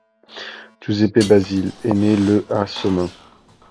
Giuseppe Basile est né le à Somain.